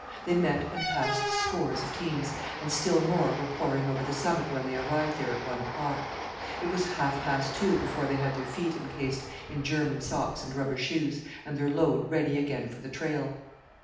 They met and passed scores of teams, and still more were pouring over the summit when they arrived there at one o'clock. It was half past two before they had their feet encased in German socks and rubber shoes, and their load ready again for the trail.